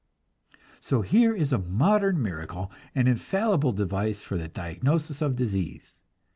So here is a modern miracle, an infallible device for the diagnosis of disease.